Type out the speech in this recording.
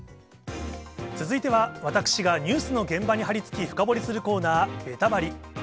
続いては私がニュースの現場に張り付き、深掘りするコーナー、ベタバリ！